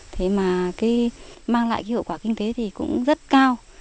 thế mà mang lại hiệu quả kinh tế thì cũng rất cao